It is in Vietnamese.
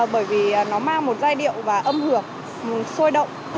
bởi vì nó mang một giai điệu và âm hưởng sôi động